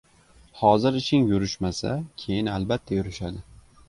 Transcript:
• Hozir ishing yurishmasa, keyin albatta yurishadi.